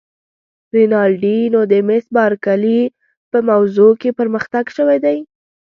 رینالډي: نو د مس بارکلي په موضوع کې پرمختګ شوی دی؟